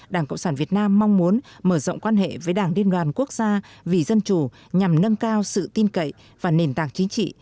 đảng cộng sản việt nam mong muốn mở rộng quan hệ với đảng liên đoàn quốc gia vì dân chủ nhằm nâng cao sự tin cậy và nền tảng chính trị